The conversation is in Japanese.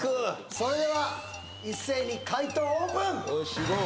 それでは一斉に解答オープン！